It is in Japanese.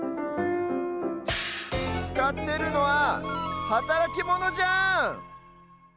つかってるのははたらきモノじゃん！